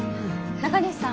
中西さん